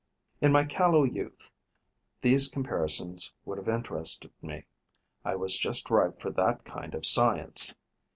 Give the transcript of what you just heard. In my callow youth, these comparisons would have interested me: I was just ripe for that kind of science.